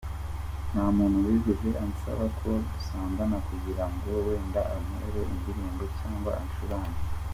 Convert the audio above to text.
Nta muntu wigeze ansaba ko dusambana kugira ngo wenda ankorere indirimbo cyangwa ancurange.